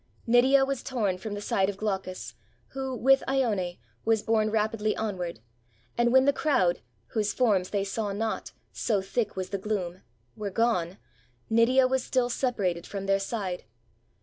Nydiawas torn from the side of Glaucus, who, with lone, was borne rapidly onward; and when the crowd (whose forms they saw not, so thick was the gloom) were gone, Nydia was still separated from their side.